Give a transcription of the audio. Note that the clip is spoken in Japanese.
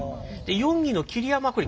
４位の桐山これ